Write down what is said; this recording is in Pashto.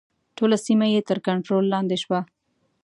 ټوله سیمه تر کنټرول لاندې شوه.